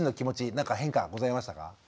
何か変化はございましたか？